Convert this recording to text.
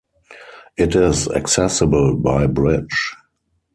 It is accessible by bridge.